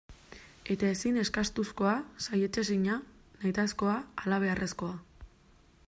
Eta ezin eskastuzkoa, saihetsezina, nahitaezkoa, halabeharrezkoa.